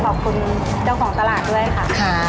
ขอบคุณเจ้าของตลาดด้วยค่ะ